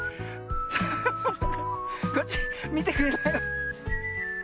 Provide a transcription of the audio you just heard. こっちみてくれないわ。